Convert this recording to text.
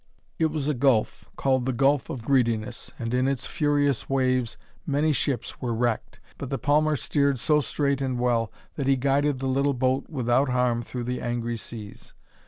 It was a gulf, called the Gulf of Greediness, and in its furious waves many ships were wrecked. But the palmer steered so straight and well that he guided the little boat without harm through the angry seas.